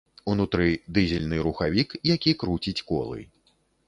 Унутры дызельны рухавік, які круціць колы.